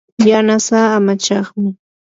yanasaa amachaqmi.